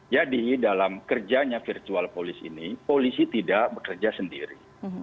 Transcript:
jadi dalam kerjanya virtual polis ini polisi tidak bekerja sendiri